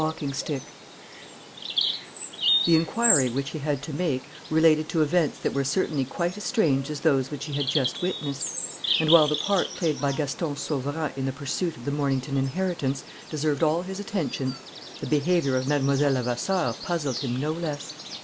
The inquiry which he had to make related to events that were certainly quite as strange as those which he had just witnessed; and while the part played by Gaston Sauverand in the pursuit of the Mornington inheritance deserved all his attention, the behaviour of Mlle. Levasseur puzzled him no less.